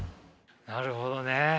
なるほどね。